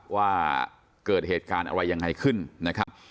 ว่าเกิดเหตุการณ์อะไรยังไงขึ้นนะครับ